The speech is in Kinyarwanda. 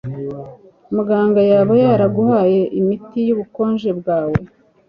Muganga yaba yaraguhaye imiti yubukonje bwawe